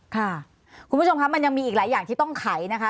คุณผู้ชมค่ะมันยังมีอีกหลายอย่างที่ต้องไขนะคะ